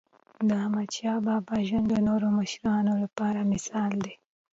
داحمدشاه بابا ژوند د نورو مشرانو لپاره مثال دی.